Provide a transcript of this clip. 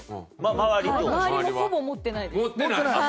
周りもほぼ持ってないです。